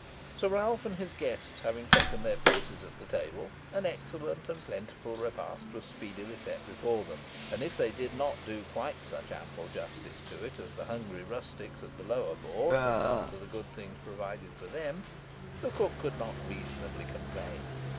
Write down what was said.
Sir Ralph and his guests having taken their places at the table, an excellent and plentiful repast was speedily set before them, and if they did not do quite such ample justice to it as the hungry rustics at the lower board had done to the good things provided for them, the cook could not reasonably complain.